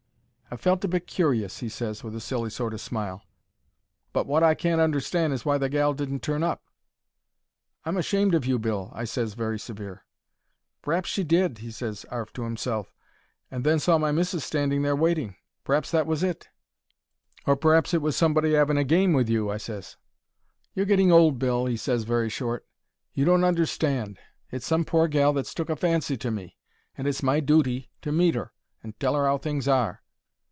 "I felt a bit curious," he ses, with a silly sort o' smile. "But wot I can't understand is why the gal didn't turn up." "I'm ashamed of you, Bill," I ses, very severe. "P'r'aps she did," he ses, 'arf to 'imself, "and then saw my missis standing there waiting. P'r'aps that was it." "Or p'r'aps it was somebody 'aving a game with you," I ses. "You're getting old, Bill," he ses, very short. "You don't understand. It's some pore gal that's took a fancy to me, and it's my dooty to meet 'er and tell her 'ow things are."